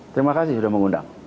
terima kasih sudah mengundang